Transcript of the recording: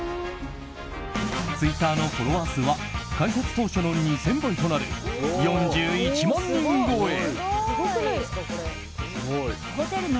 ツイッターのフォロワー数は開設当初の２０００倍となる４１万人超え！